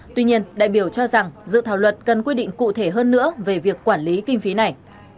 tuy nhiên đại biểu cho rằng dự thảo luật cần quy định cụ thể hơn nữa về việc quản lý kinh phí này